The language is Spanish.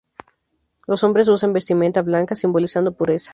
Los hombres usan vestimenta blanca, simbolizando pureza.